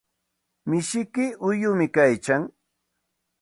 Mishiyki uyumi kaykan.